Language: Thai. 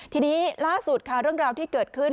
ทีนี้ล่าสุดค่ะเรื่องราวที่เกิดขึ้น